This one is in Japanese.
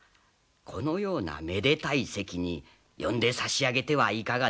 このようなめでたい席に呼んで差し上げてはいかがですかな